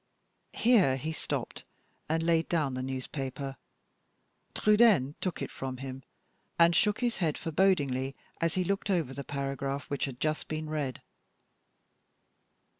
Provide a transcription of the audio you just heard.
Here he stopped and laid down the newspaper. Trudaine took it from him, and shook his head forebodingly as he looked over the paragraph which had just been read.